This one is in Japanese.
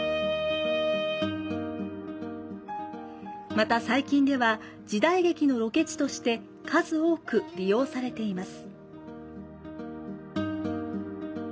また最近では、時代劇のロケ地として数多く利用されています。